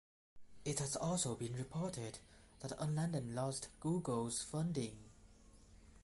It has also been reported that Unladen lost Google's funding.